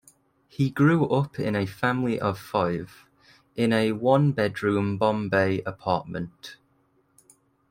He grew up in a family of five, in a one bedroom Bombay apartment.